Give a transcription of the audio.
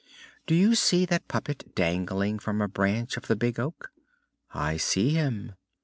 "Do you see that puppet dangling from a branch of the Big Oak?" "I see him."